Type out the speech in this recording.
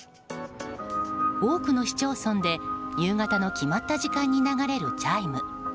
多くの市町村で夕方の決まった時間に流れるチャイム。